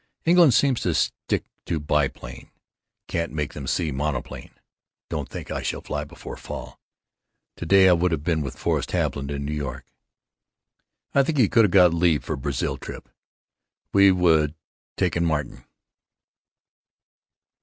England seems to stick to biplane, can't make them see monoplane. Don't think I shall fly before fall. To day I would have been with Forrest Haviland in New York, I think he could have got leave for Brazil trip. We would taken Martin.